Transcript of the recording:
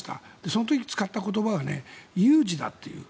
その時、使った言葉は有事だっていう。